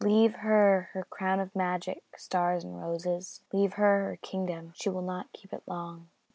. Leave her her crown of magic stars and roses, Leave her her kingdom—she will not keep it long!